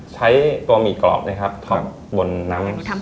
ใช้ตัวหมี่กรอบนะครับท็อปบนน้ำ